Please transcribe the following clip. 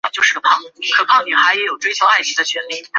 在托尔金的其中一个山峰。